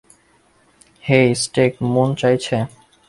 হেই, steak মন চাইছে?